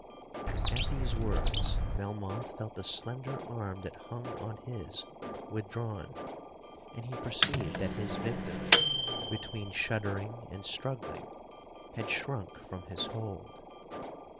'At these words, Melmoth felt the slender arm that hung on his withdrawn,—and he perceived that his victim, between shuddering and struggling, had shrunk from his hold.